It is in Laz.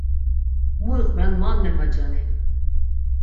Mu iqven man memacani.